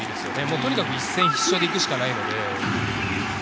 とにかく一戦必勝でいくしかないので。